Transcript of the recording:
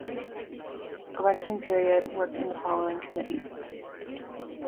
[...] election period, worked in the following committees.